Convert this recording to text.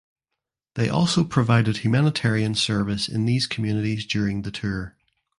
They also provided humanitarian service in these communities during the tour.